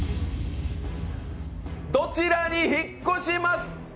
どちらに引っ越しますか？